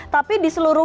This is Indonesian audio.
tapi di seluruh